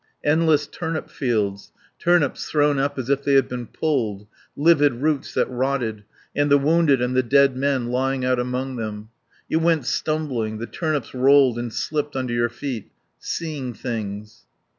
Endless turnip fields; turnips thrown up as if they had been pulled, livid roots that rotted, and the wounded and the dead men lying out among them. You went stumbling; the turnips rolled and slipped under your feet. Seeing things.